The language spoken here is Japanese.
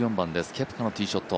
ケプカのティーショット。